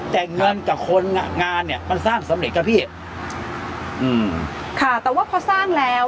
แต่เงินกับคนงานเนี้ยมันสร้างสำเร็จครับพี่อืมค่ะแต่ว่าพอสร้างแล้ว